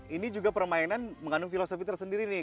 ini juga permainan mengandung filosofi tersendiri nih